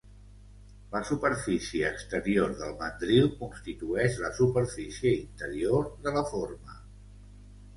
La superfície exterior del mandril constitueix la superfície interior de la forma.